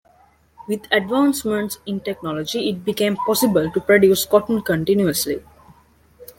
With advancements in technology, it became possible to produce cotton continuously.